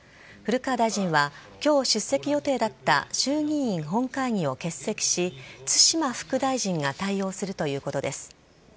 古川大臣は今日出席予定だった衆議院本会議を欠席し津島副大臣が対応するということです。